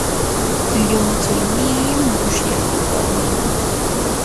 llumtsuynii musyaq warmin.